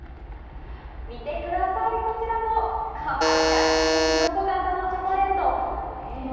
見てください、こちらのかわいらしいキノコ形のチョコレート。